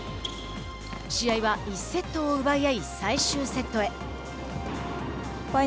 試合は１セットを奪い合い最終セットへ。